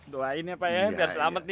doain ya pak ya biar selamat nih